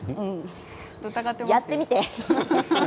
やってみて。